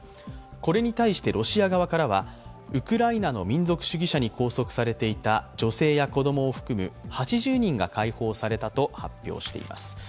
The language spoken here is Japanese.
これに対して、ロシア側からはウクライナの民族主義者に拘束されていた女性や子供を含む８０人が解放されたと発表しています。